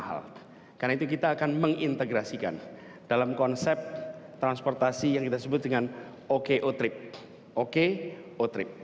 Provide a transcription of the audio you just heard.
karena itu kita akan mengintegrasikan dalam konsep transportasi yang kita sebut dengan oko trip